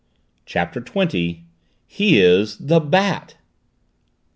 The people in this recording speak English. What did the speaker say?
CHAPTER TWENTY "HE IS THE BAT!"